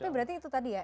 tapi berarti itu tadi ya